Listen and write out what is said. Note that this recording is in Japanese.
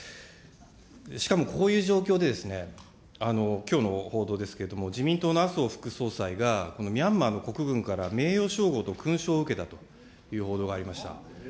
しかもこういう状況でですね、きょうの報道ですけれども、自民党の麻生副総裁が、ミャンマーの国軍から名誉称号と勲章を受けたという報道がありました。